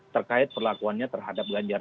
terkait perlakuannya terhadap ganjar